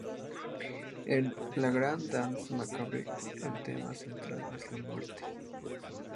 En "La Grande Danse Macabre" el tema central es la muerte.